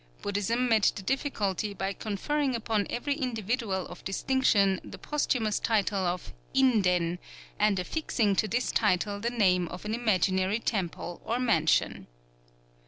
Buddhism met the difficulty by conferring upon every individual of distinction the posthumous title of in den, and affixing to this title the name of an imaginary temple or "mansion."